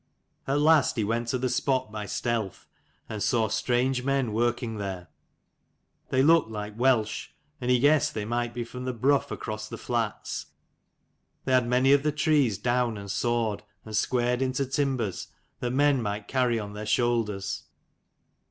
At last he went to the 'spot by stealth, and saw strange men working there : they looked^like Welsh, and he guessed they might be from the brough across the flats. They had many of the trees down, and sawed, and squared into timbers, that men might carry on their shoulders.